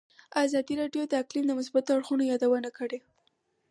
ازادي راډیو د اقلیم د مثبتو اړخونو یادونه کړې.